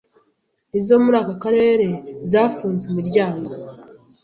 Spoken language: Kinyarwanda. izo muri aka karere zafunze imiryango